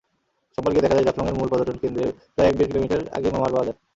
সোমবার গিয়ে দেখা যায়, জাফলংয়ের মূল পর্যটন কেন্দ্রের প্রায় এক-দেড় কিলোমিটার আগে মামারবাজার।